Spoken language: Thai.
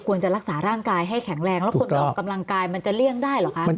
จะรักษาร่างกายให้แข็งแรงแล้วคนไปออกกำลังกายมันจะเลี่ยงได้เหรอคะ